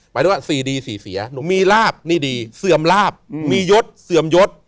หมายถึงว่า๔ดี๔เสียหนูมีลาบนี่ดีเสื่อมลาบมียศเสื่อมยศ